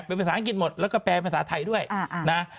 เป็นภาษาอังกฤษหมดแล้วก็แปลภาษาไทยด้วยนะ